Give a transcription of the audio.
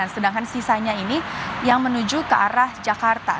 sedangkan sisanya ini yang menuju ke arah jakarta